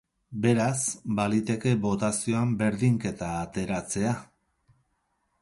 Beraz, baliteke botazioan berdinketa ateratzea.